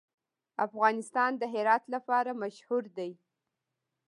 افغانستان د هرات لپاره مشهور دی.